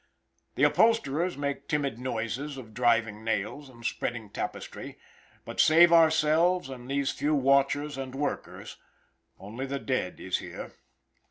The upholsterers make timid noises of driving nails and spreading tapestry; but save ourselves and these few watchers and workers, only the dead is here.